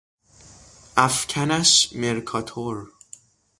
افکنش مرکاتور